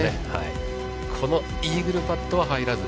このイーグルパットは入らず。